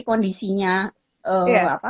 kondisinya ee apa